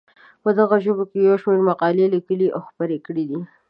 په دغو ژبو یې یو شمېر مقالې لیکلي او خپرې کړې دي.